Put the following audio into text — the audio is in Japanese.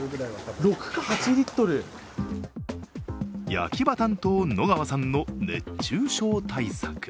焼き場担当・野川さんの熱中症対策。